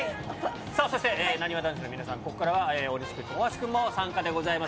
さあそして、なにわ男子の皆さん、ここからは大橋君、大西君も参加でございます。